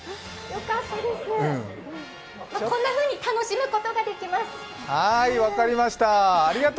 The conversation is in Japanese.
こんなふうに楽しむことができます。